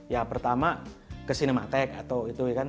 ya pertama ke cinematek atau itu ya kan